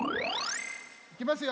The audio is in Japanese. いきますよ！